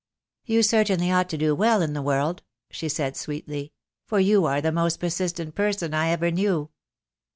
"You certainly ought to do well in the world," she said, sweetly; "for you are the most persistent person I ever knew."